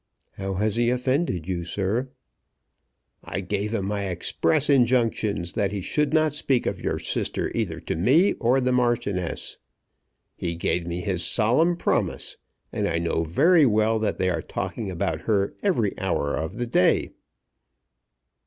"How has he offended you, sir?" "I gave him my express injunctions that he should not speak of your sister either to me or the Marchioness. He gave me his solemn promise, and I know very well that they are talking about her every hour of the day."